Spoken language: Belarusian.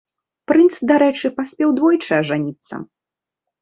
Прынц, дарэчы, паспеў двойчы ажаніцца.